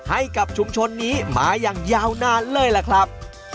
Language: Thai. ให้กับชุมชนนี้มาอย่างยาวนานเลยล่ะครับ